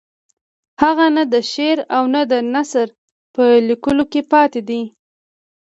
هغه نه د شعر او نه د نثر په لیکلو کې پاتې دی.